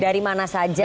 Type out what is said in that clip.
dari mana saja